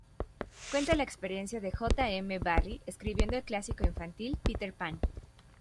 Cuenta la experiencia de J. M. Barrie escribiendo el clásico infantil "Peter Pan".